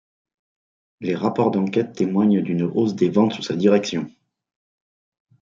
Les rapports d’enquête témoignent d’une hausse des ventes sous sa direction.